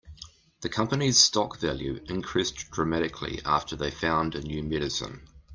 The company's stock value increased dramatically after they found a new medicine.